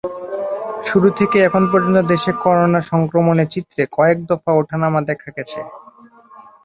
শুরু থেকে এখন পর্যন্ত দেশে করোনা সংক্রমণের চিত্রে কয়েক দফা ওঠানামা দেখা গেছে।